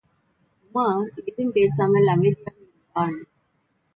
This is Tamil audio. உமார் ஏதும் பேசாமல் அமைதியாக இருந்தான்.